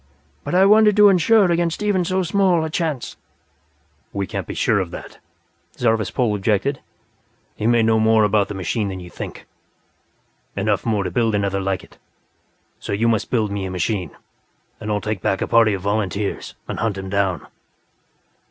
But I wanted to insure against even so small a chance." "We can't be sure of that," Zarvas Pol objected. "He may know more about the machine than you think; enough more to build another like it. So you must build me a machine and I'll take back a party of volunteers and hunt him down."